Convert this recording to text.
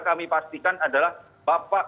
kami pastikan adalah bapak